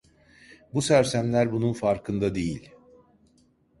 Bu sersemler bunun farkında değil.